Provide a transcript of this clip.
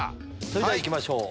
それでは行きましょう！